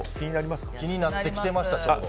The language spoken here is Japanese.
気になってました。